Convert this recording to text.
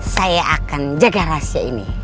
saya akan jaga rahasia ini